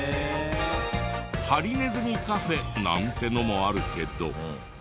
ハリネズミカフェなんてのもあるけど。